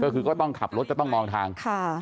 ก็ต้องขับรถต้องมองทาง